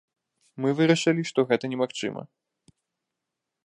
Мы вырашылі, што гэта немагчыма.